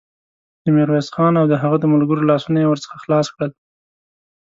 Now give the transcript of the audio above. د ميرويس خان او د هغه د ملګرو لاسونه يې ور خلاص کړل.